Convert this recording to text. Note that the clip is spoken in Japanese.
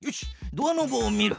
ドアノブを見る。